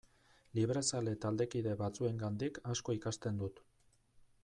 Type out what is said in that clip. Librezale taldekide batzuengandik asko ikasten dut.